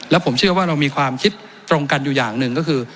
แล้วผมเชื่อว่าเรามีความคิดตรงกันอยู่อย่างหนึ่งก็คือ